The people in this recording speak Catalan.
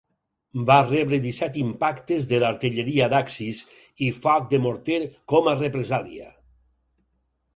Va rebre disset impactes de l'artilleria d'Axis i foc de morter com a represàlia.